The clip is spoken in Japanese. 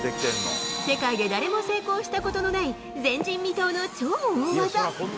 世界で誰も成功したことのない、前人未到の超大技。